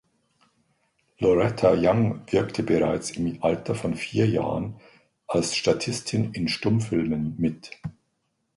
Loretta Young wirkte bereits im Alter von vier Jahren als Statistin in Stummfilmen mit.